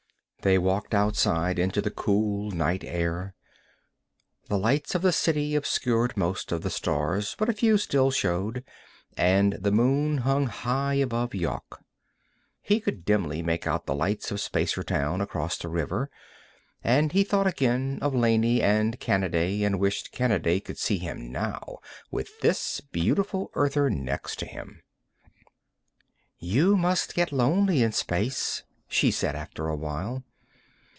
They walked outside into the cool night air. The lights of the city obscured most of the stars, but a few still showed, and the moon hung high above Yawk. He could dimly make out the lights of Spacertown across the river, and he thought again of Laney and Kanaday and wished Kanaday could see him now with this beautiful Earther next to him. "You must get lonely in space," she said after a while.